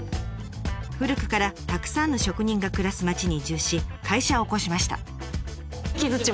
古くからたくさんの職人が暮らす町に移住し会社を興しました。